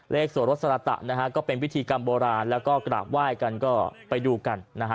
โสรสระตะนะฮะก็เป็นพิธีกรรมโบราณแล้วก็กราบไหว้กันก็ไปดูกันนะฮะ